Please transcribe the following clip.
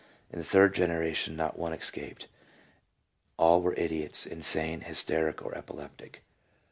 In the third generation not one escaped — all were idiots, insane, hysteric, or epileptic.